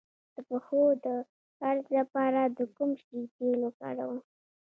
د پښو درد لپاره د کوم شي تېل وکاروم؟